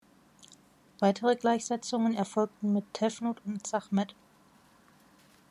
Weitere Gleichsetzungen erfolgten mit Tefnut und Sachmet.